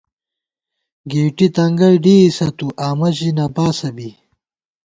گېٹی تنگَئ ڈېئیسَہ تُو آمہ ژی نہ باسہ بی